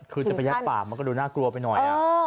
คือจะไปยัดปากมันก็ดูน่ากลัวไปหน่อย